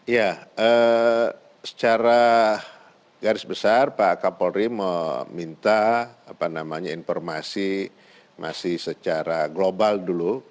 ya secara garis besar pak kapolri meminta informasi masih secara global dulu